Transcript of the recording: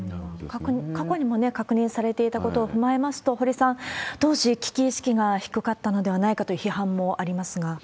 過去にもね、確認されていたことを踏まえますと、堀さん、当時、危機意識が低かったのではないかという批判もありますが。